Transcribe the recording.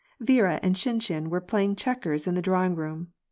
Viera and Shiiishin were playing checkers in the drawing room.